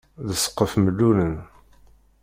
D ssqef mellulen.